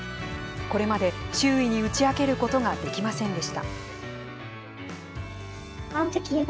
これまで周囲に打ち明けることができませんでした。